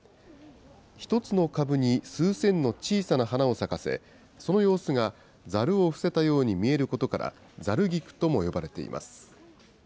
１つの株に数千の小さな花を咲かせ、その様子が、ざるを伏せたように見えることから、ざる菊とも呼ばれています。